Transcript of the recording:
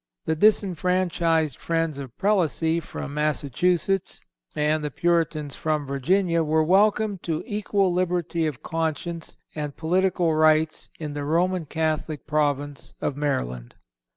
The disfranchised friends of Prelacy from Massachusetts and the Puritans from Virginia were welcomed to equal liberty of conscience and political rights in the Roman Catholic province of Maryland."